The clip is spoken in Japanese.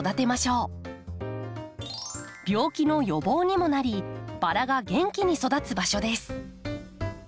病気の予防にもなりバラが元気に育つ場所です。